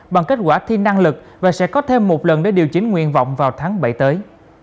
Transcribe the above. bằng kết quả thi năng lực và sẽ có thêm một lần để điều chỉnh nguyện vọng vào tháng bảy tới